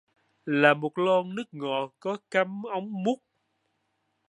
Là một lon nước ngọt có cắm ống mút